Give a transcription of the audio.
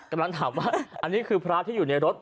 กำลังถามว่าอันนี้คือพระที่อยู่ในรถ